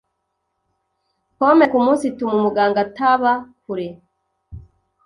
Pome kumunsi ituma umuganga ataba kure.